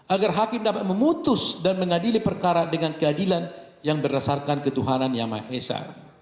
agar hakim dapat memutus dan mengadili perkara dengan keadilan yang berdasarkan ketuhanan yang maha esa